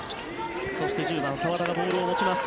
そして１０番、澤田がボールを持ちます。